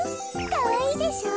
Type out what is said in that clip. かわいいでしょ。